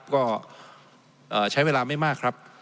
ก็ใช้เวลาไม่มากครับ